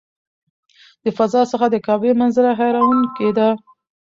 د فضا څخه د کعبې منظره حیرانوونکې ده.